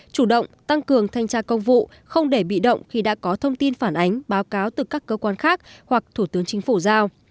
chủ động tăng cường thanh tra công vụ không để bị động khi đã có thông tin phản ánh báo cáo từ các cơ quan khác hoặc thủ tướng chính phủ giao